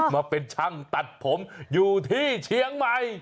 มาเป็นช่างตัดผมอยู่ที่เชียงใหม่